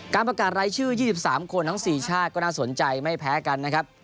ประกาศรายชื่อ๒๓คนทั้ง๔ชาติก็น่าสนใจไม่แพ้กันนะครับ